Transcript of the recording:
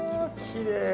きれい。